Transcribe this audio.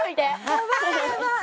やばいやばい。